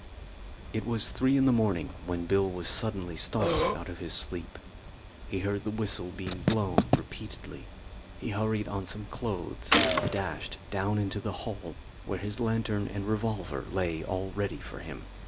It was three in the morning when Bill was suddenly startled out of his sleep. He heard the whistle being blown repeatedly. He hurried on some clothes and dashed down into the hall, where his lantern and revolver lay all ready for him.